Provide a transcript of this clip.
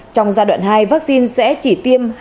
trong giai đoạn hai vaccine sẽ chỉ tiêm hai